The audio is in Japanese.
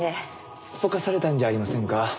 すっぽかされたんじゃありませんか？